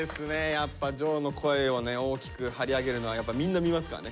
やっぱ丈の声を大きく張り上げるのはやっぱみんな見ますからね。